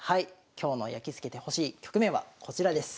今日のやきつけてほしい局面はこちらです。